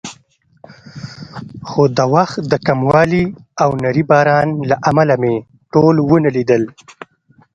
خو د وخت د کموالي او نري باران له امله مې ټول ونه لیدل.